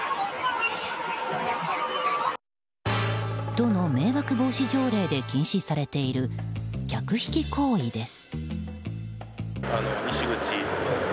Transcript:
都の迷惑防止条例で禁止されている客引き行為です。